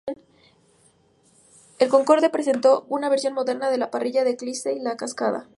El Concorde presentó una versión moderna de la parrilla de Chrysler la cascada.